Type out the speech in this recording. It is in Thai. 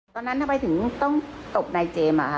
ตอนนั้นทำไมถึงต้องตกนายเจมส์อ่ะครับ